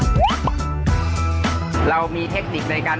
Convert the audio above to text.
ปู่พญานาคี่อยู่ในกล่อง